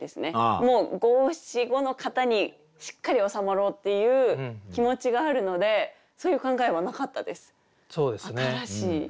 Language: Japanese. もう五七五の型にしっかり収まろうっていう気持ちがあるのでそういう考えはなかったです。